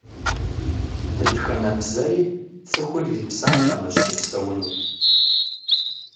Дэтхэнэ бзэри цӏыхур ирипсалъэмэщ щыпсэунур.